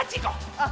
あっ！